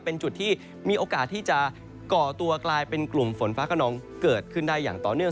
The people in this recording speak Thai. เป็นจุดที่มีโอกาสที่จะก่อตัวกลายเป็นกลุ่มฝนฟ้าขนองเกิดขึ้นได้อย่างต่อเนื่อง